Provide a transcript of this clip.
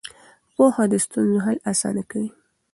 پوهه د ستونزو حل اسانه کوي.